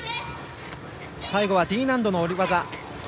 最後はＤ難度の下り技。